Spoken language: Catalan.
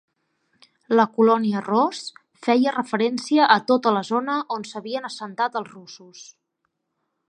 La colònia Ross feia referència a tota la zona on s'havien assentat els russos.